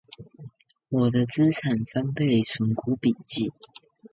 我的資產翻倍存股筆記